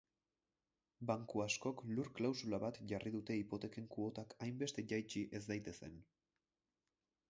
Banku askok lur-klausula bat jarri dute hipoteken kuotak hainbeste jaitsi ez daitezen.